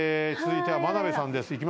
続いては眞鍋さんです。